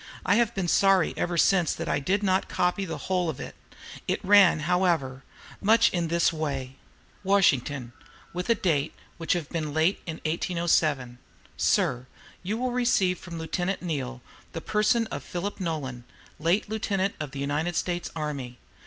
I have been sorry ever since that I did not copy the whole of it. It ran, however, much in this way: "WASHINGTON (with a date, which must have been late in 1807). "Sir, You will receive from Lieutenant Neale the person of Philip Nolan, late a lieutenant in the United States army.